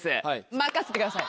任せてください。